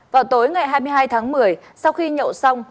vào tối ngày hai mươi hai tháng một mươi sau khi nhậu xong